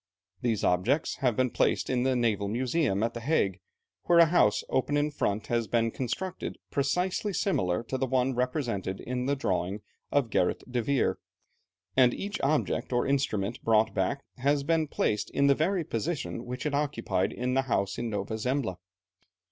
These objects have been placed in the Naval Museum at the Hague, where a house, open in front, has been constructed precisely similar to the one represented in the drawing of Gerrit de Veer, and each object or instrument brought back has been placed in the very position which it occupied in the house in Nova Zembla.